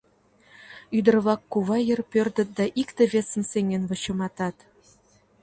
Ӱдыр-влак кува йыр пӧрдыт да икте-весым сеҥен вычыматат: